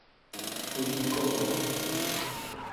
Linkovou.